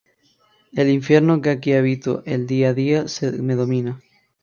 El infierno que aquí habito el día a día me domina.